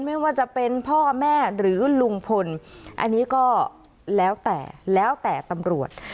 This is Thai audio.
ไม่ว่าจะเป็นพ่อแม่หรือลุงพลอันนี้ก็แล้วแต่แล้วแต่ตำรวจ